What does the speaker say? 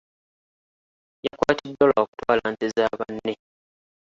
Yakwatiddwa lwa kutwala nte za banne.